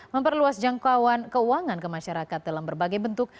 memperluas jangkauan keuangan ke masyarakat dalam berbagai bentuk